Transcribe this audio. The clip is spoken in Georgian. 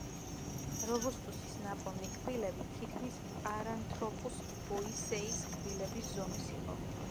რობუსტუსის ნაპოვნი კბილები თითქმის პარანთროპუს ბოისეის კბილების ზომის იყო.